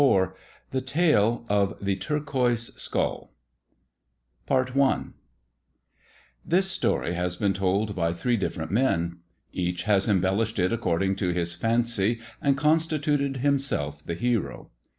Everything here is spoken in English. ■ I : ^THE TALE OF THE TUEQUOISE SKULL' PART I THIS story has been told by three different men. Each ha^ embellished it according to his fancy, and con stituted himself the hero.